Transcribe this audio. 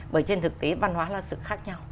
bởi trên thực tế văn hóa là sự khác nhau